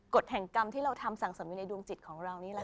กฎแห่งกรรมที่เราทำสั่งสมอยู่ในดวงจิตของเรานี่แหละ